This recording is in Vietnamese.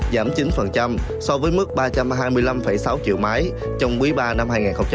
giảm chín so với mức ba trăm hai mươi năm sáu triệu máy trong quý ba năm hai nghìn hai mươi ba